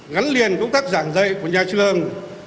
gắn liền công tác giảng dạy của nhà trường